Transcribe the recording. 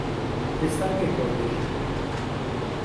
ئێستا پێکەوە دەژین.